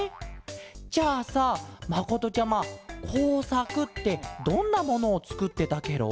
じゃあさまことちゃまこうさくってどんなものをつくってたケロ？